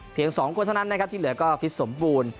๒คนเท่านั้นนะครับที่เหลือก็ฟิตสมบูรณ์